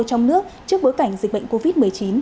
trong nước trước bối cảnh dịch bệnh covid một mươi chín